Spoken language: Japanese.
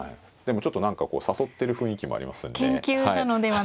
でもちょっと何かこう誘ってる雰囲気もありますんで。